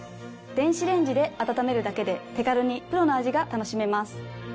電子レンジで温めるだけで手軽にプロの味が楽しめます。